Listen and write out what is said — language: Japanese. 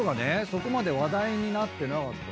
そこまで話題になってなかった。